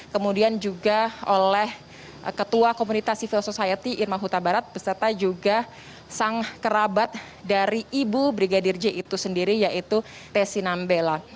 kemudian juga oleh ketua komunitas civil society irma huta barat beserta juga sang kerabat dari ibu brigadir j itu sendiri yaitu tes sinambela